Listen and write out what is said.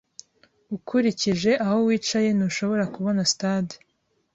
Ukurikije aho wicaye, ntushobora kubona stade.